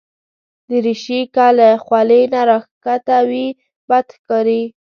دریشي که له خولې نه راښکته وي، بد ښکاري.